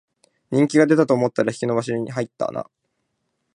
人気出たと思ったら引き延ばしに入ったな